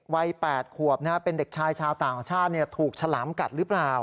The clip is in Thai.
วัย๘ขวบเป็นเด็กชายชาวต่างชาติถูกฉลามกัดหรือเปล่า